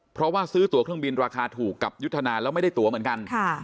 เพราะว่าซื้อตัวเครื่องบินราคาถูกกับยุทธนาแล้วไม่ได้ตัวเหมือนกัน